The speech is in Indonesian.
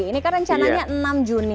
ini kan rencananya enam juni